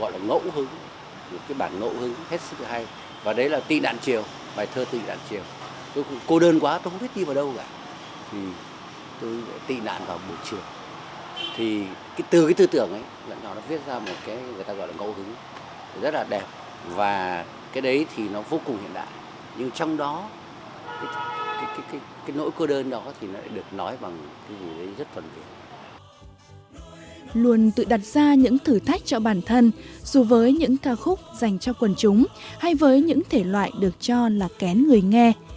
luôn tự đặt ra những thử thách cho bản thân dù với những ca khúc dành cho quần chúng hay với những thể loại được cho là kén người nghe